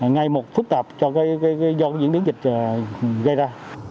ngay một phức tạp do những biến dịch gây ra